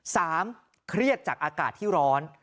เครียดจากอากาศที่ร้อน